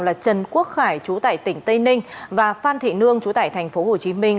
là trần quốc khải chú tải tỉnh tây ninh và phan thị nương chú tải thành phố hồ chí minh